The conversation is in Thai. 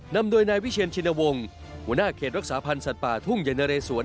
นำโดยนายวิเชียนชินวงศ์หัวหน้าเขตรักษาพันธ์สัตว์ป่าทุ่งใหญ่นะเรสวน